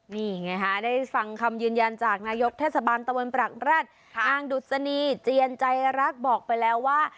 นี่ไงฮะได้ฟังคำยืนยันจากนายกเทศบาลตะวนปรักแร็ดนางดุษณีเจียนใจรักบอกไปแล้วว่า